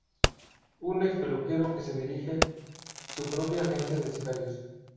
Un ex-peluquero que dirige su propia agencia de sicarios.